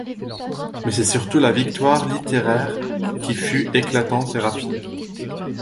Mais c’est surtout la victoire littéraire qui fut éclatante et rapide.